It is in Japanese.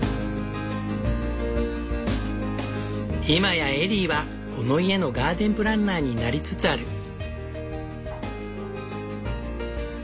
今やエリーはこの家のガーデンプランナーになりつつある。